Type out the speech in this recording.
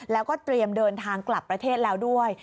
แล้วก็เตรียมเดินทางกลับประเทศแล้วด้วย